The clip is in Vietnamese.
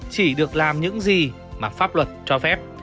chỉ được làm những gì mà pháp luật cho phép